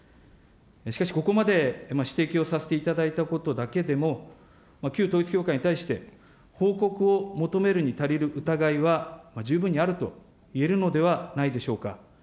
しかし、ここまで指摘をさせていただいたことだけでも、旧統一教会に対して報告を求めるに足りる疑いは十分にあるといえるのではないでしょうか。